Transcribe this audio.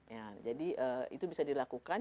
ya jadi itu bisa dilakukan